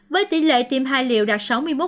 với tỷ lệ tiêm hai liệu đạt sáu mươi một